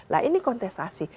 nah ini kontestasi